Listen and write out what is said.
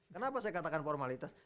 kenapa saya katakan formalitas